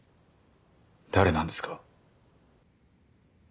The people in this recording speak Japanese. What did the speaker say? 誰なんですか？